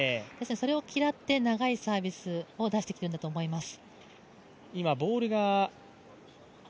それを嫌って長いサービスを出してきているんだと思います。